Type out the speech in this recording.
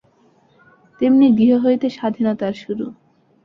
তেমনি গৃহ হইতে স্বাধীনতার শুরু।